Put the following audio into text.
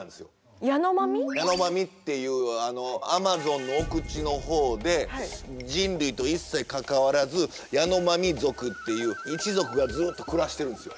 ヤノマミっていうアマゾンの奥地の方で人類と一切関わらずヤノマミ族っていう一族がずっと暮らしてるんですよ。